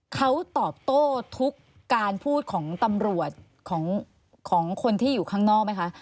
เขาตอบโต้ทุกการพูดของตำรวจของคนที่อยู่ข้างนอกไหมคะ